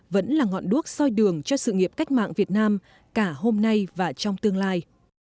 vẫn là ngọn đuốc soi đường cho sự nghiệp cách mạng việt nam cả hôm nay và trong tương lai